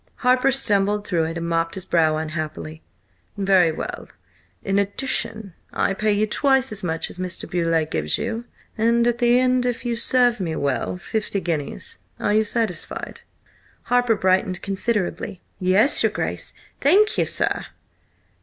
Harper stumbled through it and mopped his brow unhappily. "Very well. In addition, I pay you twice as much as Mr. Beauleigh gives you, and, at the end, if you serve me well–fifty guineas. Are you satisfied?" Harper brightened considerably. "Yes, your Grace! Thank you, sir!"